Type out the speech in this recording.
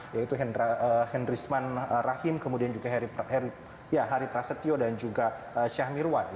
yaitu henrysman rahim kemudian juga harithra setio dan juga syahmirwan